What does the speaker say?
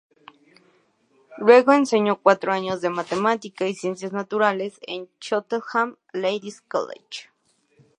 Luego enseñó cuatro años de matemática y ciencias naturales en Cheltenham Ladies College.